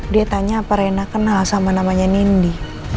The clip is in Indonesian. dia tanya apa rena kenal sama namanya nindi